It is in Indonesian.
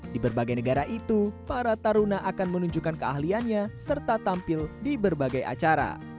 di berbagai negara itu para taruna akan menunjukkan keahliannya serta tampil di berbagai acara